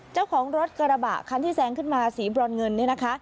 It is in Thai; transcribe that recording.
เจ้าของรถกระบะคันที่แสงขึ้นมาสีบร่อนเงิน